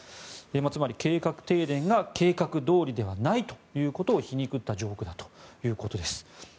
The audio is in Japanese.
つまり計画停電が計画どおりではないということを皮肉ったジョークだということです。